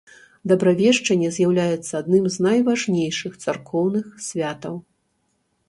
Дабравешчанне з'яўляецца адным з найважнейшых царкоўных святаў.